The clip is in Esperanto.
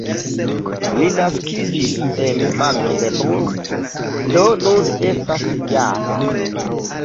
Li naskiĝis en Magdeburg, do nun estas -jara.